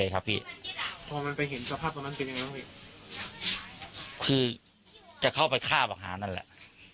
คือจะเข้าไปฆ่าบังหานั่นแหละ